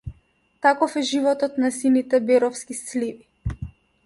Таков е животот на сините беровски сливи.